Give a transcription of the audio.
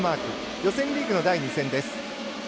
予選リーグの第２戦です。